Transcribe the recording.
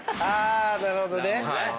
なるほどね。